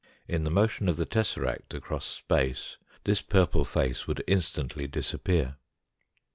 In the motion of the tesseract across space this purple face would instantly disappear.